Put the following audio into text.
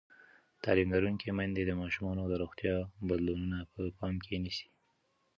تعلیم لرونکې میندې د ماشومانو د روغتیا بدلونونه په پام کې نیسي.